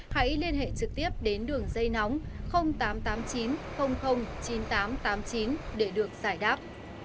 hãy liên hệ trực tiếp đến đường dây nóng tám trăm tám mươi chín chín nghìn tám trăm tám mươi chín để được giải đáp